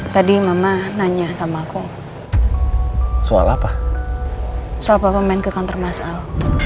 tadi mama nanya sama aku soal apa soal papa main ke counter masal